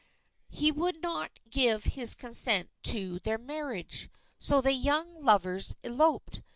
He would not give his consent to their marriage. So the young lovers eloped.